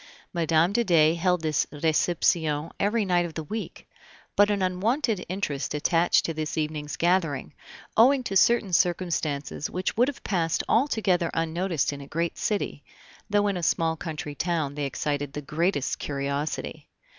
Mme. de Dey held this reception every night of the week, but an unwonted interest attached to this evening's gathering, owing to certain circumstances which would have passed altogether unnoticed in a great city, though in a small country town they excited the greatest curiosity.